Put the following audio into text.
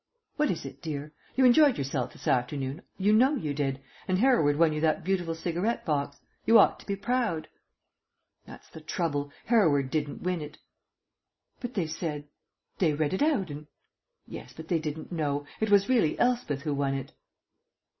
"What is it, dear? You enjoyed yourself this afternoon, you know you did, and Hereward won you that beautiful cigarette box. You ought to be proud." "That's the trouble. Hereward didn't win it." "But they said they read it out, and " "Yes, but they didn't know. It was really Elspeth who won it."